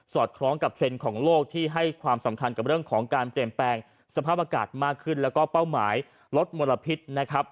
คล้องกับเทรนด์ของโลกที่ให้ความสำคัญกับเรื่องของการเปลี่ยนแปลงสภาพอากาศมากขึ้นแล้วก็เป้าหมายลดมลพิษนะครับ